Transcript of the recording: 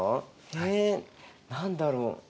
え何だろう？